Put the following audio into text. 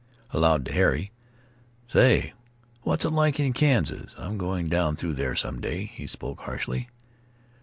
Aloud, to Harry: "Say, what's it like in Kansas? I'm going down through there some day." He spoke harshly.